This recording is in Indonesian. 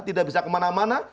tidak bisa kemana mana